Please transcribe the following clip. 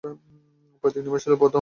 পৈতৃক নিবাস ছিল বর্ধমান।